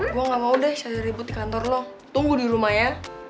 gue gak mau deh saya ribut di kantor lo tunggu di rumah ya